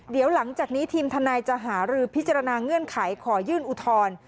เดี๋ยวหลังจากนี้ทีมทนายจะหารือพิจารณาเงื่อนไขขอยื่นอุทธรณ์